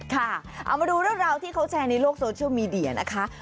ค่ะเอามาดูเรื่องราวที่เขาแชร์ในโลกโซเชียลมีเดียนะคะ